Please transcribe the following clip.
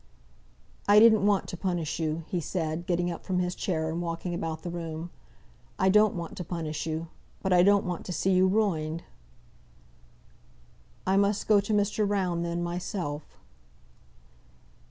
"I didn't want to punish you," he said, getting up from his chair and walking about the room. "I don't want to punish you. But, I don't want to see you ruined!" "I must go to Mr. Round then, myself."